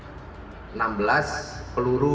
dan kami menemukan tersisa sembilan peluru